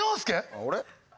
あっ俺？